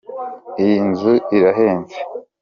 Iyi nzu irahenze